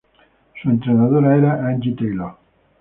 Su entrenadora era Angie Taylor.